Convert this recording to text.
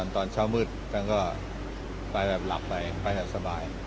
ตอนเช้ามืดท่านก็หลับไปสบาย